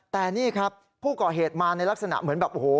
แต่นี่ครับผู้ก่อเหตุมาในลักษณะเหมือนแบบโอ้โห